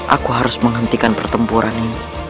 aku harus menghentikan pertempuran ini